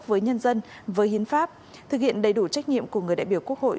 với nhân dân với hiến pháp thực hiện đầy đủ trách nhiệm của người đại biểu quốc hội